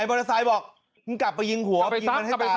มอเตอร์ไซค์บอกมึงกลับไปยิงหัวยิงมันให้ตาย